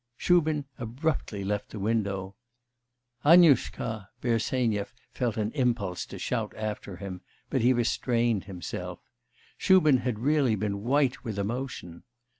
Shubin abruptly left the window. 'Annu shka!' Bersenyev felt an impulse to shout after him, but he restrained himself; Shubin had really been white with emotion.